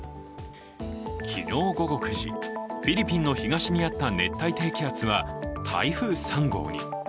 昨日午後９時、フィリピンの東にあった熱帯低気圧は台風３号に。